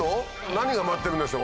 何が待ってるんでしょう？